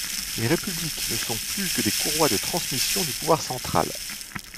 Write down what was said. Les républiques ne sont plus que des courroies de transmission du pouvoir central.